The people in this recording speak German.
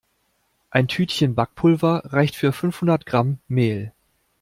Ein Tütchen Backpulver reicht für fünfhundert Gramm Mehl.